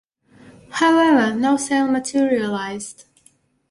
However, no sale materialized.